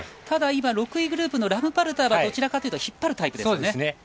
ただ、６位グループのラムパルターはどちらかというと引っ張るタイプですよね。